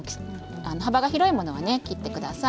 幅が広いものは切ってください。